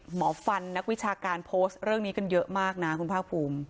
หมอฟันนักวิชาการโพสต์เรื่องนี้กันเยอะมากนะคุณภาคภูมิ